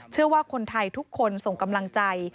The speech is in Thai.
เชื่อว่าคนไทยทุกคนส่งกำลังใจ